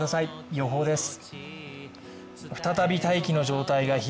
予報です。